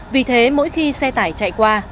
vì thế mỗi khi xe tải chạy qua